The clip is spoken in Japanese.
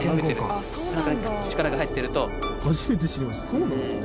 そうなんですね。